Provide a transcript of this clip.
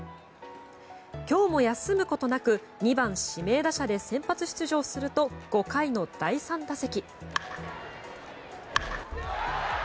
今日も休むことなく２番指名打者で先発出場すると５回の第３打席。